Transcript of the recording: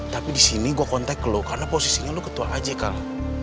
tapi di sini gue kontak lo karena posisinya lo ketua aja kang